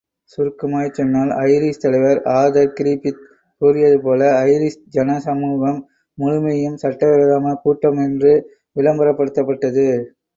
சுருக்கமாய்ச் சொன்னால் ஐரிஷ் தலைவர் ஆர்தர்கிரிபித் கூறியது போல் ஐரிஷ் ஜனசமுகம் முழுமையும் சட்டவிரோதமான கூட்டம் என்று விளம்பரப்படுத்தப்பட்டது!